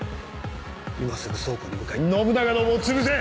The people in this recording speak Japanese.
今すぐ倉庫に向かい信長どもをつぶせ！